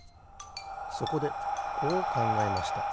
そこでこうかんがえました。